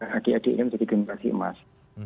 karena di adn jadi generasi emas